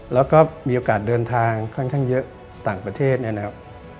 แล้วก็มีโอกาสเดินทางค่อนข้างเยอะต่างประเทศเนี่ยนะครับ